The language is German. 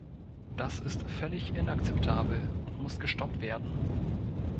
Das ist völlig inakzeptabel und muss gestoppt werden.